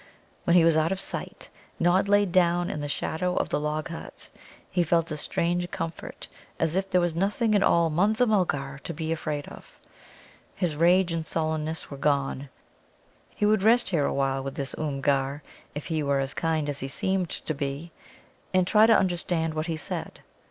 When he was out of sight, Nod lay down in the shadow of the log hut. He felt a strange comfort, as if there was nothing in all Munza mulgar to be afraid of. His rage and sullenness were gone. He would rest here awhile with this Oomgar, if he were as kind as he seemed to be, and try to understand what he said.